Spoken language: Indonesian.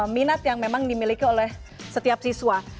minat yang memang dimiliki oleh setiap siswa